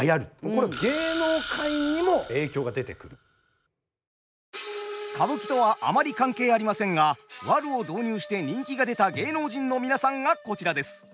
これ歌舞伎とはあまり関係ありませんがワルを導入して人気が出た芸能人の皆さんがこちらです。